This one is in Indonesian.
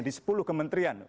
di sepuluh kementerian